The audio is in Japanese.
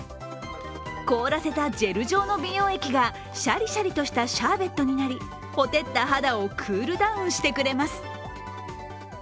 凍らせたジェル状の美容液がシャリシャリとしたシャーベットになりほてった肌をクールダウンしてくれます。